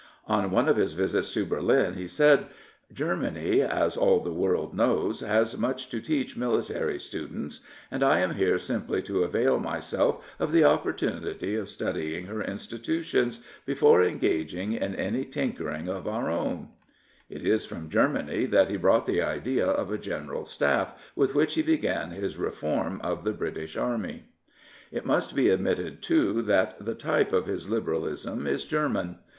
On one of his visits to Berlin he said, Germany, as all the world knows, has much to teach military students, and I am here simply to avail myself of the opportunity of studying her institutions before engaging in any tinkering of our own/' It is 284 Richard Burdon Haldane from Germany that he brought the idea of a General Staff with which he began his reform of the British Army, It must be admitted, too, that the type of his Liberalism is German.